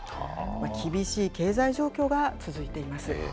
厳しい経済状況が続いています。